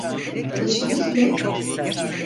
Tanıştınız mı?